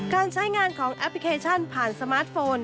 การใช้งานของแอปพลิเคชันผ่านสมาร์ทโฟน